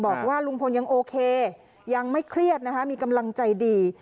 บอกว่าลุงพลยังโอเคยังไม่เครียดนะคะมีกำลังใจดี